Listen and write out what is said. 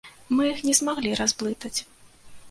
Мы іх не змаглі разблытаць.